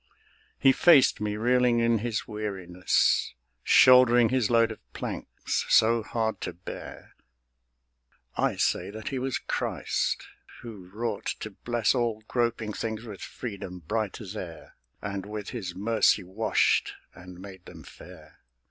He faced me, reeling in his weariness, Shouldering his load of planks, so hard to bear. I say that he was Christ, who wrought to bless All groping things with freedom bright as air, And with His mercy washed and made them fair.